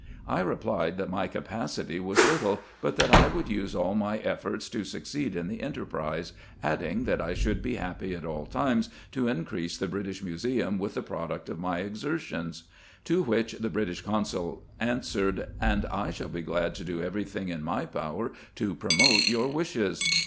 I replied that my capacity was little, but that I would use all my efforts to succeed in the enterprise ; adding that I should be happy at all times to increase the British Museum with the product of my exertions. To which the British consul answered, " And I shall be glad to do every thing in my power to promote your wishes."